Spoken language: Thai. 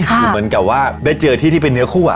คือเหมือนกับว่าได้เจอที่ที่เป็นเนื้อคู่